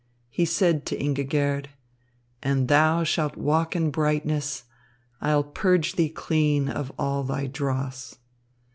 He said to Ingigerd: "And thou shalt walk in brightness; I'll purge thee clean of all thy dross."